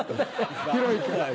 広いから。